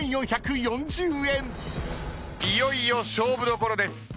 いよいよ勝負どころです。